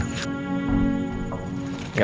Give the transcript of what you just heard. masih inget ya mas ya